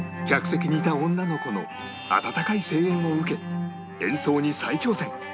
客席にいた女の子の温かい声援を受け演奏に再挑戦